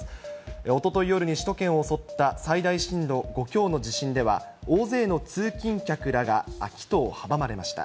おととい夜に首都圏を襲った最大震度５強の地震では、大勢の通勤客らが帰途を阻まれました。